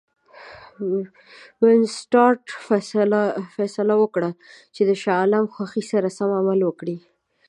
وینسیټارټ فیصله وکړه چې د شاه عالم خوښي سره سم عمل وکړي.